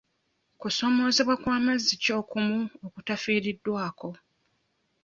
Kusoomoozebwa kw'amazzi ki okumu okutafiiriddwako?